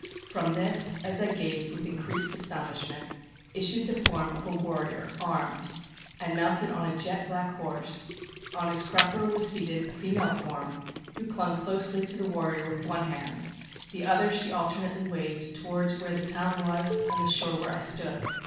From this (as I gazed with increased astonishment) issued the form of a warrior, armed, and mounted on a jet black horse ; on his crupper was seated a female form, who clung closely to the warrior with one handŌĆö the other she alternately waved towards wliere the town was, and the shore where I stood.